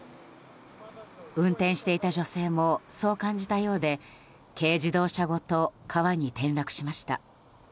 運転していた女性もそう感じたようで軽自動車ごと川に転落しました。